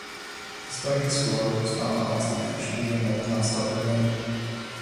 Despite his score Scotland lost the match and Gilmour was not selected again.